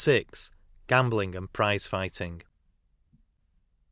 GAMBLING AND PRIZE FIGHTING.